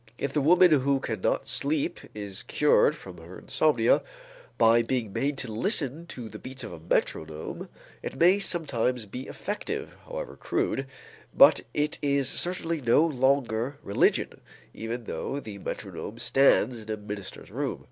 If the woman who cannot sleep is cured from her insomnia by being made to listen to the beats of a metronome, it may sometimes be effective, however crude, but it is certainly no longer religion, even though the metronome stands in a minister's room.